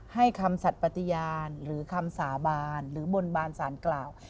ให้คำสัตว์ปฏิญาณหรือคำสาบานหรือบนบานสารกล่าว